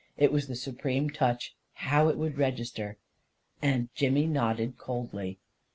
It was the supreme touch, — how it would register !— and Jimmy nodded coldly.